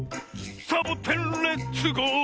「サボテンレッツゴー！」